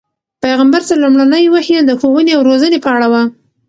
پیغمبر ته لومړنۍ وحی د ښوونې او روزنې په اړه وه.